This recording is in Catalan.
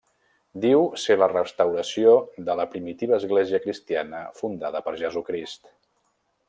Diu ser la restauració de la primitiva església cristiana fundada per Jesucrist.